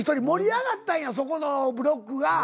盛り上がったんやそこのブロックが。